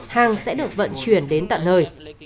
hàng sẽ được vận chuyển đến tận nơi